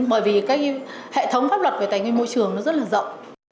bởi vì cái hệ thống pháp luật về tài nguyên môi trường nó rất là rộng